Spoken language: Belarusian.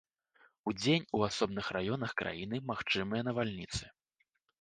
Удзень у асобных раёнах краіны магчымыя навальніцы.